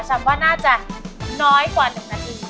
ว่าน่าจะน้อยกว่า๑นาที